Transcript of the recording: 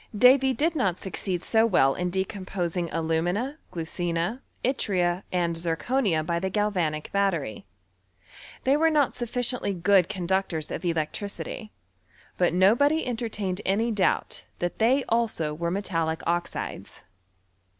Davy did not succeed so well in decomposing alumina, glucina, yttria, and zirconia, by the gal vanic battery : they were not sufficiently good con ductors of electricity ; but nobody entertained any doubt that they also were metallic oxides.